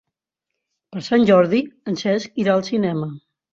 Per Sant Jordi en Cesc irà al cinema.